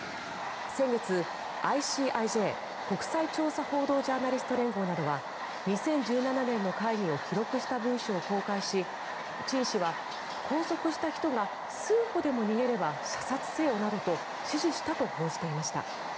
先月、ＩＣＩＪ・国際調査報道ジャーナリスト連合などは２０１７年の会議を記録した文書を公開しチン氏は、拘束した人が数歩でも逃げれば射殺せよなどと指示したと報じていました。